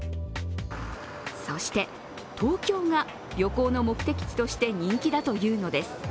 そして、東京が旅行の目的地として人気だというのです。